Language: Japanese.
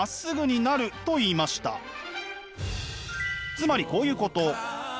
つまりこういうこと。